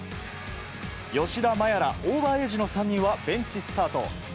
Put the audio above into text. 吉田麻也らオーバーエージの３人は、ベンチスタート。